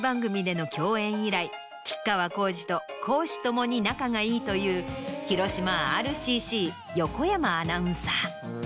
以来吉川晃司と公私共に仲がいいという広島ＲＣＣ横山アナウンサー。